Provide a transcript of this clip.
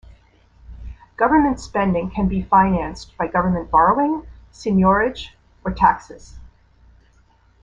Government spending can be financed by government borrowing, seigniorage, or taxes.